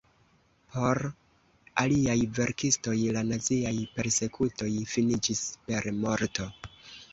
Por aliaj verkistoj la naziaj persekutoj finiĝis per morto.